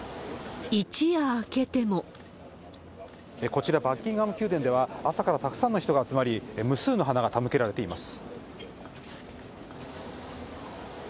こちら、バッキンガム宮殿では、朝からたくさんの人が集まり、無数の花が手向けられています。